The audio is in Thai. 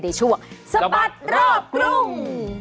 ในช่วงสะบัดรอบกรุง